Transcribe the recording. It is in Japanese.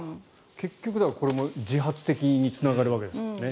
結局これも自発的につながるわけですからね。